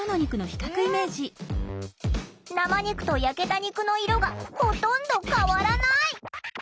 生肉と焼けた肉の色がほとんど変わらない！